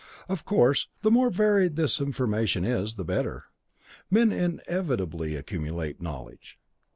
Of course, the more varied this information is, the better. Men inevitably accumulate knowledge.